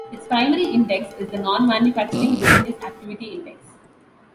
Its primary index is the Non-Manufacturing Business Activity Index.